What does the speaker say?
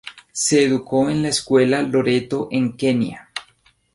Se educó en la escuela Loreto en Kenia.